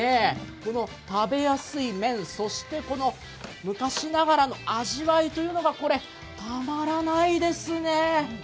この食べやすい麺、そして昔ながらの味わいというのがたまらないですね。